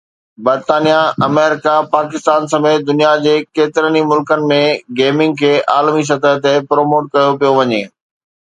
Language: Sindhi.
برطانيا، آمريڪا، پاڪستان سميت دنيا جي ڪيترن ئي ملڪن ۾ گيمنگ کي عالمي سطح تي پروموٽ ڪيو پيو وڃي